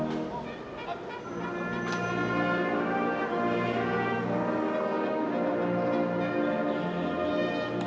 อัศวินธรรมชาติ